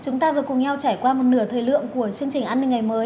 chúng ta vừa cùng nhau trải qua một nửa thời lượng của chương trình an ninh ngày mới